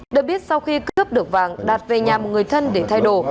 đợi biết sau khi cướp được vàng đặt về nhà một người thân để thay đồ